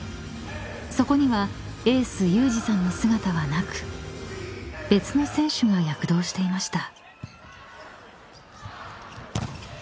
［そこにはエース有志さんの姿はなく別の選手が躍動していました］